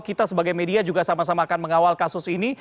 kita sebagai media juga sama sama akan mengawal kasus ini